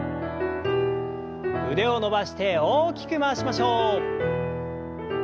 腕を伸ばして大きく回しましょう。